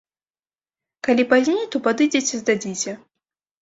Калі пазней, то падыдзеце, здадзіце.